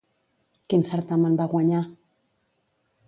Quin certamen va guanyar?